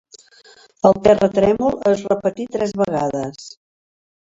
El terratrèmol es repetí tres vegades.